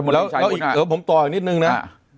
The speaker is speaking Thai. แล้วผมต่ออีกนิดนึงนะ